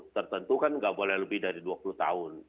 tertentu kan nggak boleh lebih dari dua puluh tahun